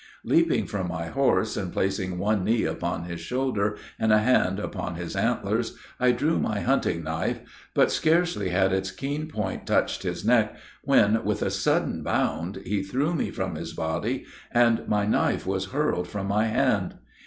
Leaping from my horse, and placing one knee upon his shoulder, and a hand upon his antlers, I drew my hunting knife; but scarcely had its keen point touched his neck, when, with a sudden bound, he threw me from his body, and my knife was hurled from my hand.